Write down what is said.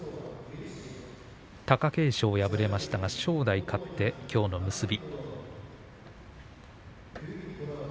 貴景勝、敗れまして正代勝ってきょうの結び。